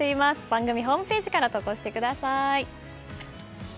番組ホームページから投稿してください。